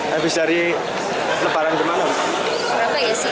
habis dari lebaran ke mana